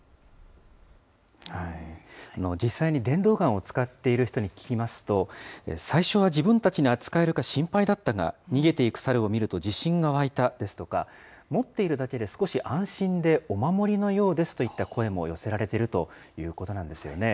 実際に電動ガンを使っている人に聞きますと、最初は自分たちが使えるか心配だったが、逃げていくサルを見ると自信が湧いたですとか、持っているだけで少し安心でお守りのようですといった声も寄せられているということなんですよね。